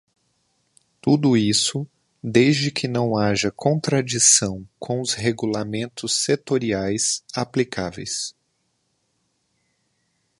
Tudo isso, desde que não haja contradição com os regulamentos setoriais aplicáveis.